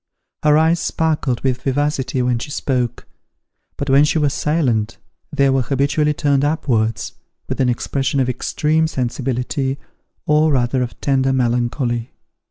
Her eyes sparkled with vivacity when she spoke; but when she was silent they were habitually turned upwards, with an expression of extreme sensibility, or rather of tender melancholy.